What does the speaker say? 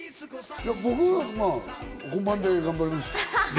僕は本番で頑張ります。